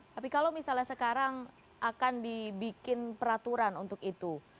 tapi kalau misalnya sekarang akan dibikin peraturan untuk itu